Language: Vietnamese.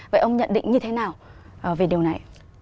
vậy ông nhận định như thế nào về điều này